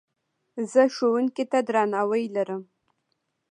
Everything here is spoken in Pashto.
زه ښوونکي ته درناوی لرم.